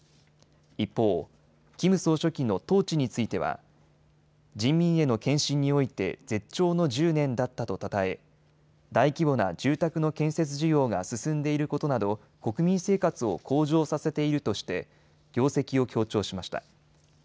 一方、キム総書記の統治については人民への献身において絶頂の１０年だったとたたえ、大規模な住宅の建設事業が進んでいることなど国民生活を向上させているとして業績を強調しました。